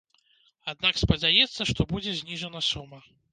Аднак спадзяецца, што будзе зніжана сума.